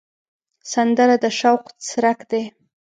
سندره د شوق څرک دی